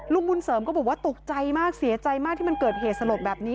บุญเสริมก็บอกว่าตกใจมากเสียใจมากที่มันเกิดเหตุสลดแบบนี้